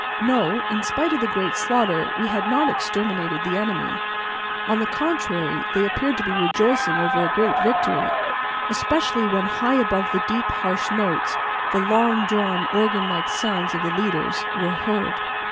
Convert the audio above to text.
No, in spite of the great slaughter we had not exterminated the enemy; on the contrary, they appeared to be rejoicing over a great victory, especially when high above the deep harsh notes the long drawn, organ like sounds of the leaders were heard.